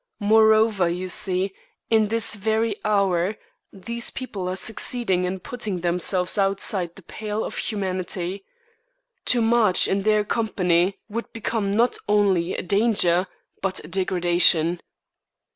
Moreover, you see, in this very hour, these people are succeeding in putting themselves outside the pale of humanity. To march in their company would become not only a danger, but a degradation.